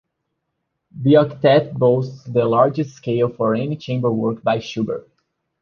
The Octet boasts the largest scale for any chamber work by Schubert.